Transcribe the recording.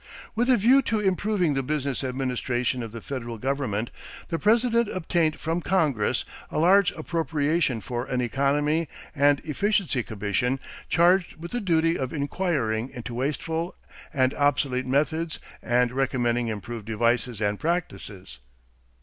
With a view to improving the business administration of the federal government, the President obtained from Congress a large appropriation for an economy and efficiency commission charged with the duty of inquiring into wasteful and obsolete methods and recommending improved devices and practices.